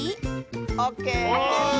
オッケー！